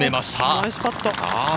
ナイスパット。